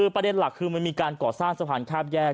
ประเด็นหลักคือมันมีการก่อสร้างสะพานข้ามแยก